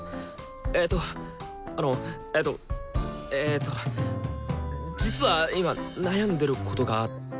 えっとあのえとえっと実は今悩んでることがあって。